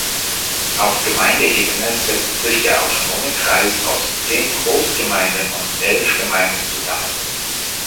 Auf Gemeindeebene setzt sich der autonome Kreis aus zehn Großgemeinden und elf Gemeinden zusammen.